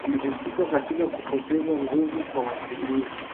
zilihusika katika kupoteza nguvu kwa wakimbizi